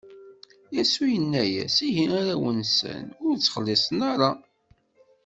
Yasuɛ inna-as: Ihi, arraw-nsen ur ttxelliṣen ara.